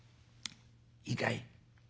「いいかい？